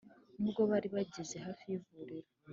n’ubwo bari bageze hafi y’ivuriro